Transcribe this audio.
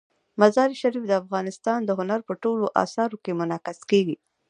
مزارشریف د افغانستان د هنر په ټولو اثارو کې منعکس کېږي.